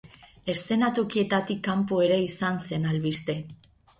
Eszenatokietatik kanpo ere izan zen albiste.